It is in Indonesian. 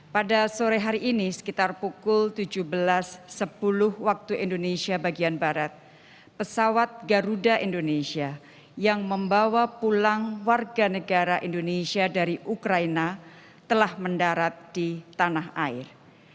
pada sore hari ini sekitar pukul tujuh belas sepuluh waktu indonesia bagian barat pesawat garuda indonesia yang membawa pulang warga negara indonesia dari ukraina telah mendarat di tanah air